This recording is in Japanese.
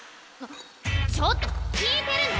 ちょっと聞いてるの！？